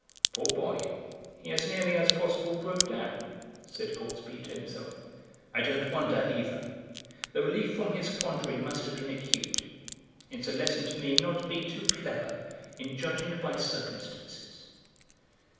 "Poor boy, he as nearly as possible broke down," said Gortsby to himself. "I don't wonder either; the relief from his quandary must have been acute. It's a lesson to me not to be too clever in judging by circumstances."